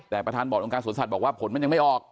แต่ประธานบอร์ดองค์การสวนสัตว์บอกว่าผลมันยังไม่ออก